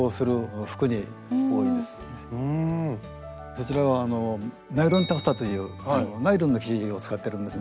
そちらはナイロンタフタというナイロンの生地を使ってるんですね。